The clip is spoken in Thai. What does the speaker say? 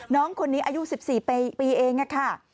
น้องคนนี้อายุ๑๔ปีเองค่ะ